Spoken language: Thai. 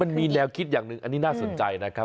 มันมีแนวคิดอย่างหนึ่งอันนี้น่าสนใจนะครับ